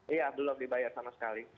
iya belum dibayar sama sekali